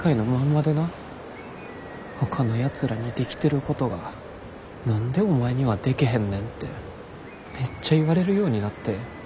ほかのやつらにできてることが何でお前にはでけへんねんてめっちゃ言われるようになって。